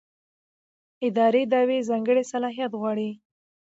اداري دعوې ځانګړی صلاحیت غواړي.